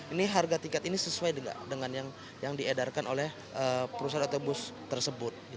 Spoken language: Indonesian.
ini harga tiket ini sesuai dengan yang diedarkan oleh perusahaan otobus tersebut